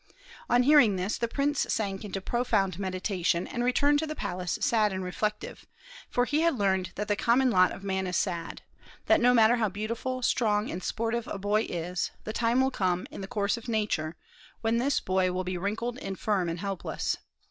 On hearing this, the prince sank into profound meditation, and returned to the palace sad and reflective; for he had learned that the common lot of man is sad, that no matter how beautiful, strong, and sportive a boy is, the time will come, in the course of Nature, when this boy will be wrinkled, infirm, and helpless.